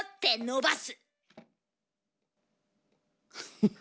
フッ。